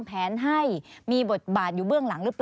สวัสดีครับทุกคน